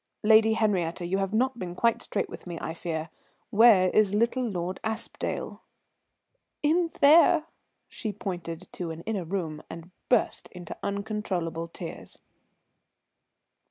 Lady Henriette, you have not been quite straight with me, I fear. Where is little Lord Aspdale?" "In there!" she pointed to an inner room, and burst into uncontrollable tears.